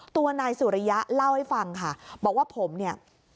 ตัวนายสุริยะเล่าให้ฟังค่ะบอกว่าผมเนี่ย